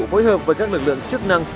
phối hợp với các lực lượng chức năng